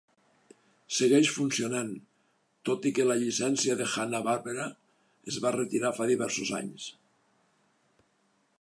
Segueix funcionant, tot i que la llicència de Hanna-Barbera es va retirar fa diversos anys.